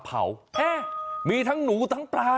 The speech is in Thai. มีทั้งหนูทั้งปลา